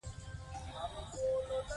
دایمي به دي نظمونه خاطرې کړي